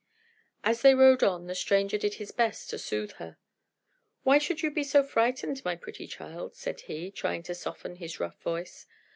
As they rode on, the stranger did his best to soothe her. "Why should you be so frightened, my pretty child?" said he, trying to soften his rough voice.